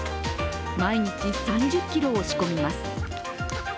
毎日３０ｋｇを仕込みます。